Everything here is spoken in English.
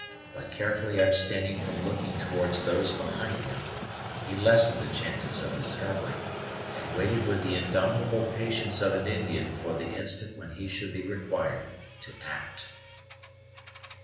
By carefully abstaining from looking towards those behind him, he lessened the chances of discovery, and waited with the indomitable patience of an Indian for the instant when he should be required to act.